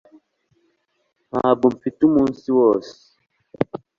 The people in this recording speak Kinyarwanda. ntabwo mfite umunsi wose